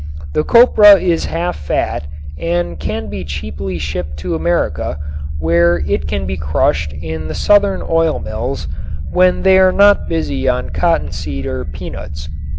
The copra is half fat and can be cheaply shipped to America, where it can be crushed in the southern oilmills when they are not busy on cottonseed or peanuts.